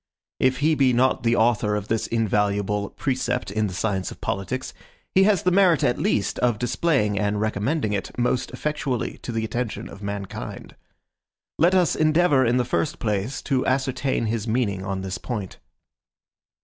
If he be not the author of this invaluable precept in the science of politics, he has the merit at least of displaying and recommending it most effectually to the attention of mankind. Let us endeavor, in the first place, to ascertain his meaning on this point.